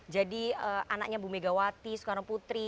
jadi anaknya bu megawati soekarno putri